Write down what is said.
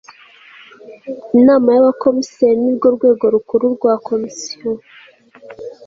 inama y abakomiseri ni rwo rwego rukuru rwa komisiyo